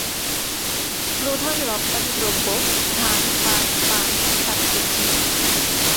প্রধান রপ্তানিদ্রব্য ধান, পাট, পান, শাকসবজি।